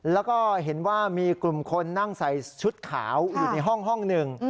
แล้วก็เห็นว่ามีกลุ่มคนนั่งใส่ชุดขาวอยู่ในห้องหนึ่ง